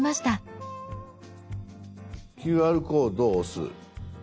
「ＱＲコード」を押す。